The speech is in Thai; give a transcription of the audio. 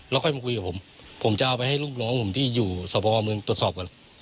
แล้วค่อยมาคุยกับผมผมจะเอาไปให้ลูกน้องผมที่อยู่สพเมืองตรวจสอบก่อน